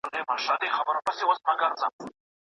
دومره بیدار او هوښیار سي